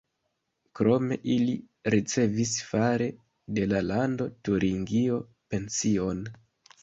Krome ili ricevis fare de la Lando Turingio pension.